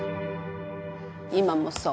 今もそう。